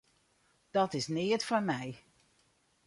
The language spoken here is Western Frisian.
Dat is neat foar my.